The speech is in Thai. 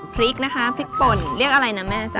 พริกนะคะพริกป่นเรียกอะไรนะแม่จ๊